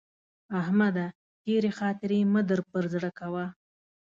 احمده! تېرې خاطرې مه در پر زړه کوه.